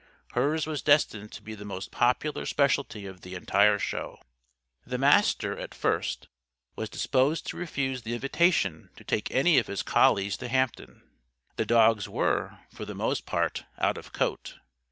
Hers was destined to be the most popular Specialty of the entire Show. The Master, at first, was disposed to refuse the invitation to take any of his collies to Hampton. The dogs were, for the most part, out of coat.